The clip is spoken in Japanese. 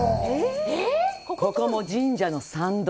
ここも神社の参道。